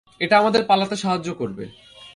এটা আমাদের পালাতে সাহায্য করবে।